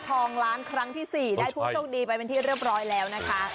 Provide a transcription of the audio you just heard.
ทองล้านครั้งที่๔ได้ผู้โชคดีไปเป็นที่เรียบร้อยแล้วนะคะ